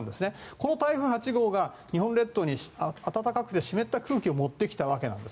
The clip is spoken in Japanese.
この台風８号が日本列島に暖かく湿った空気を持ってきたわけなんです。